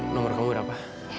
nomer kamu berapa